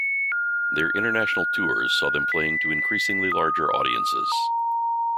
Their international tours saw them playing to increasingly larger audiences.